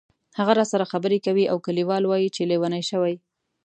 هغه راسره خبرې کوي او کلیوال وایي چې لیونی شوې.